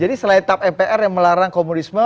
jadi selain tab mpr yang melarang komunisme